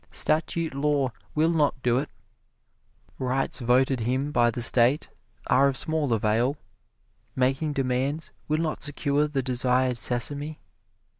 Statute law will not do it; rights voted him by the State are of small avail; making demands will not secure the desired sesame.